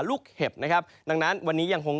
เห็บนะครับดังนั้นวันนี้ยังคง